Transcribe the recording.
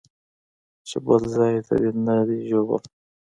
چې بل ځاى دې نه دى ژوبل.